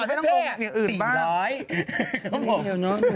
นี่เร็วหนุ่มจะเป็นพี่ดุ้